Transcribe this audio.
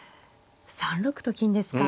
あっ３六と金ですか。